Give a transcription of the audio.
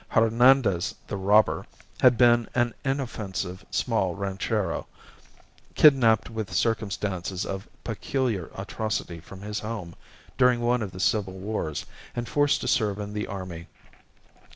Hernandez, the robber, had been an inoffensive, small ranchero, kidnapped with circumstances of peculiar atrocity from his home during one of the civil wars, and forced to serve in the army.